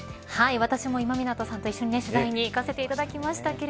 私も今湊さんと一緒にに取材に行かせていただきました。